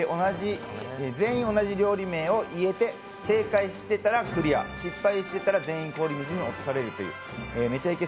全員同じ料理名を言えて正解してたらクリア、失敗してたら全員、氷水に落とされるという「めちゃイケ」